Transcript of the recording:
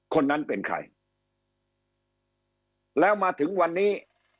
คนนั้นเป็นใครแล้วมาถึงวันนี้